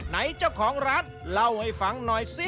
ไหนเจ้าของร้านเล่าให้ฟังหน่อยสิ